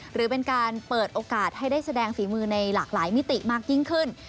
หรือเป็นการเปิดโอกาสให้ได้แสดงฝีมือในหลากหลายมิติมากยิ่งขึ้น